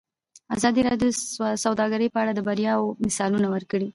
ازادي راډیو د سوداګري په اړه د بریاوو مثالونه ورکړي.